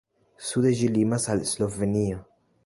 Sude ĝi limas al Slovenio.